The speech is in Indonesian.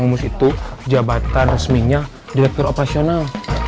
dia jatuh di pus itu jabatan resminya direktur operasional